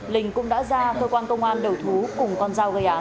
lình cũng đã ra cơ quan công an đẩu thú cùng con dao gây án